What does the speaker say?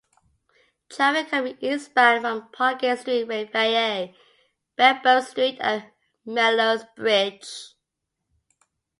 Traffic coming eastbound from Parkgate Street ran via Benburb Street and Mellowes Bridge.